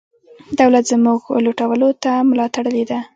دولت زموږ لوټلو ته ملا تړلې ده.